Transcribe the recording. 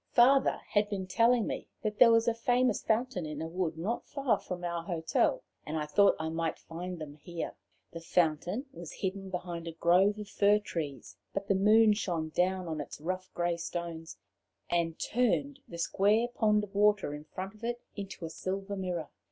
Father had been telling me that there was a famous fountain in a wood not far from our hotel, and I thought I might find them here. The fountain was hidden behind a grove of fir trees, but the moon shone down on its rough grey stones, and turned the square pond of water in front of it into a silver mirror.